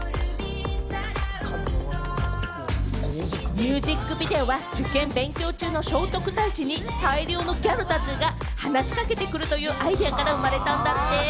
ミュージックビデオは、受験勉強中の聖徳太子に大量のギャルたちが話しかけてくるというアイデアから生まれたんだって。